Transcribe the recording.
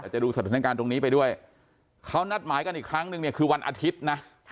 จะดูสถานการณ์ตรงนี้ไปด้วยเขานัดหมายกันอีกครั้งนึงเนี่ยคือวันอาทิตย์นะ